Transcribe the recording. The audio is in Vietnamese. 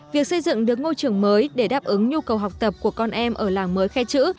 việc xây dựng được ngôi trường mới để đáp ứng nhu cầu học tập của con em ở làng mới khe chữ